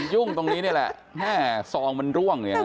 ยุ่งตรงนี้นี่แหละแม่ซองมันร่วงเนี่ยนะ